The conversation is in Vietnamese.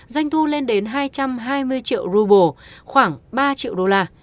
doanh thu lên đến hai trăm hai mươi triệu gooble khoảng ba triệu đô la